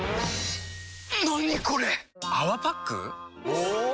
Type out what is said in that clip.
お！